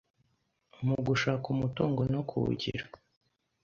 mu gushaka umutungo no kuwugira.